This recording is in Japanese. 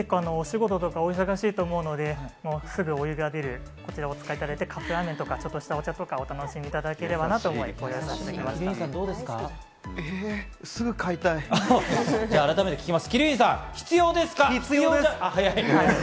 どうして鬼龍院さんに？お仕事とか、お忙しいと思うので、すぐお湯が出るこちらをお使いいただいて、カップラーメンとか、ちょっとしたお茶をお楽しみいただければなと思います。